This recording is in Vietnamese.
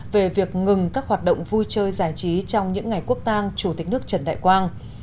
về việc ngừng các hoạt động vui chơi giải trí trong những ngày quốc tang chủ tịch nước trần đại quang